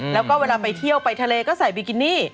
แล้วก็เวลาไปเที่ยวไปทะเลก็ใส่บิกินี่